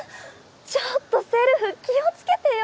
ちょっとせるふ気をつけてよ！